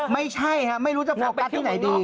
ไม่ใช่ครับไม่รู้จะโฟกัสที่ไหนดี